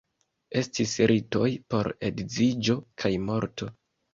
Estis ritoj por edziĝo kaj morto.